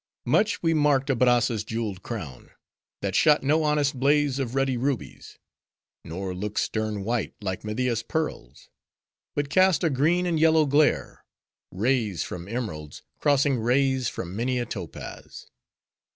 Much we marked Abrazza's jeweled crown; that shot no honest blaze of ruddy rubies; nor looked stern white like Media's pearls; but cast a green and yellow glare; rays from emeralds, crossing rays from many a topaz.